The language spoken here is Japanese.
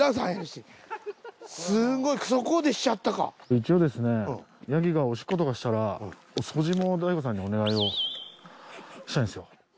一応ですねヤギがおしっことかしたらお掃除も大悟さんにお願いをしたいんですよ。